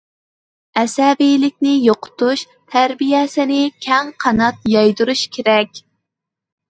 ‹‹ ئەسەبىيلىكنى يوقىتىش›› تەربىيەسىنى كەڭ قانات يايدۇرۇش كېرەك.